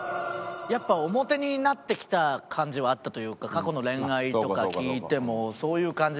やっぱおモテになってきた感じはあったというか過去の恋愛とか聞いてもそういう感じなんで。